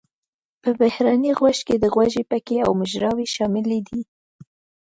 په بهرني غوږ کې د غوږ پکې او مجراوې شاملې دي.